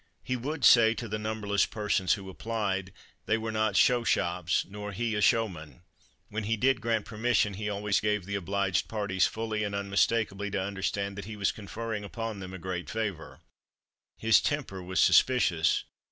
He would say to the numberless persons who applied, "they were not show shops, nor he a showman." When he did grant permission he always gave the obliged parties fully and unmistakably to understand that he was conferring upon them a great favour. His temper was suspicious.